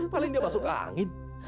paling dia masuk angin